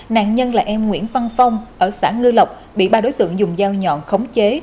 nạn nhân là em nguyễn văn phong ở xã ngư lộc bị ba đối tượng dùng dao nhọn khống chế